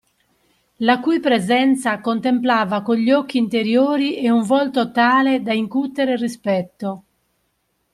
La cui presenza contemplava con gli occhi interiori e un volto tale da incutere rispetto